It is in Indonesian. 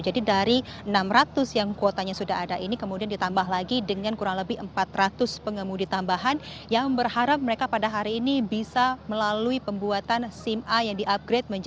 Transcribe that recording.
jadi dari enam ratus yang kuotanya sudah ada ini kemudian ditambah lagi dengan kurang lebih empat ratus pengemudi tambahan yang berharap mereka pada hari ini bisa melalui pembuatan